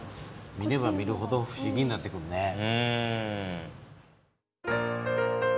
見れば見るほど不思議になってくるね。